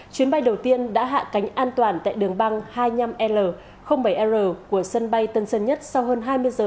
chuyến bay đầu tiên đã hạ cánh an toàn tại đường băng hai mươi năm l bảy r của sân bay tân sơn nhất